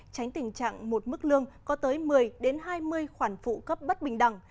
tránh tình trạng một mức lương có tới một mươi hai mươi khoản phụ cấp bất bình đẳng